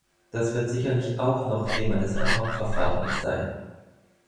Das wird sicherlich auch noch Thema des ad hoc-Verfahrens sein.